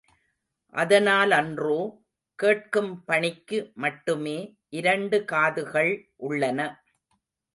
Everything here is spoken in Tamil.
அதனாலன்றோ, கேட்கும் பணிக்கு மட்டுமே இரண்டு காதுகள் உள்ளன.